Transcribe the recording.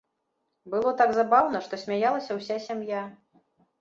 Было так забаўна, што смяялася ўся сям'я.